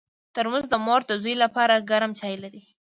ترموز د مور د زوی لپاره ګرم چای لري.